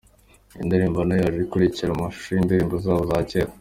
Iyi ndirimbo nayo yaje ikurikira amashusho y’indirimbo zabo za kera.